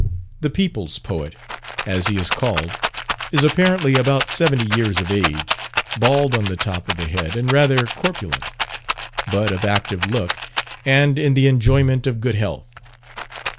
"The people's poet," as he is called, is apparently about seventy years of age, bald on the top of the head, and rather corpulent, but of active look, and in the enjoyment of good health.